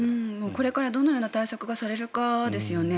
これからどのような対策がされるかですよね。